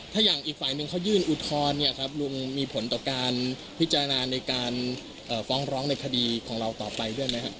ถ้าอย่างอีกฝ่ายหนึ่งเขายื่นอุทธรณ์เนี่ยครับลุงมีผลต่อการพิจารณาในการฟ้องร้องในคดีของเราต่อไปด้วยไหมครับ